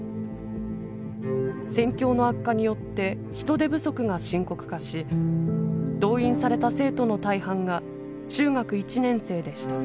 戦況の悪化によって人手不足が深刻化し動員された生徒の大半が中学１年生でした。